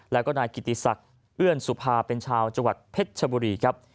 แล้วก็นายกิติศักดิ์เอื้อนสุภาเป็นชาวจังหวัดเพชรชบุรีครับ